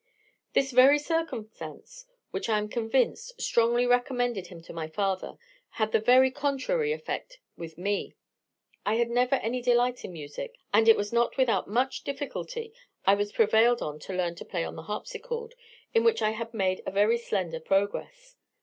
"This very circumstance, which, as I am convinced, strongly recommended him to my father, had the very contrary effect with me: I had never any delight in music, and it was not without much difficulty I was prevailed on to learn to play on the harpsichord, in which I had made a very slender progress.